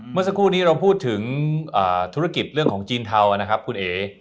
เมื่อสักครู่นี้เราพูดถึงธุรกิจเรื่องของจีนเทานะครับคุณเอ๋